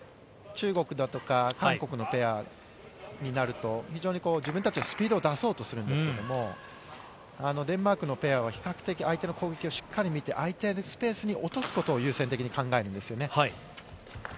あまり中国だとか、韓国のペアになると非常に自分たちのスピードを出そうとするんですけどもデンマークのペアは比較的相手の攻撃をしっかりみて相手のスペースに落とすことを優先的に考えているんですね。